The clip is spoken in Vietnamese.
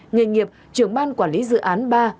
nghề nghiệp trưởng ban quản lý dự án ba